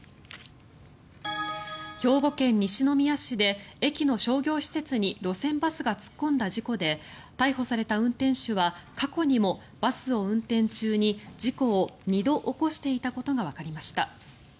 兵庫県西宮市で駅の商業施設に路線バスが突っ込んだ事故で逮捕された運転手は過去にもバスを運転中に事故を２度起こしていたことがわかりました。